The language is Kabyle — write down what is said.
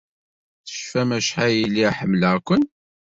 Tecfam acḥal ay lliɣ ḥemmleɣ-ken?